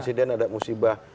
ada insiden ada musibah